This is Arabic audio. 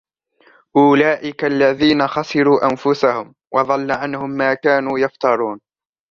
أولئك الذين خسروا أنفسهم وضل عنهم ما كانوا يفترون